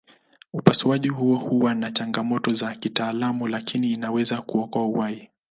Upasuaji huo huwa na changamoto za kitaalamu lakini inaweza kuokoa uhai.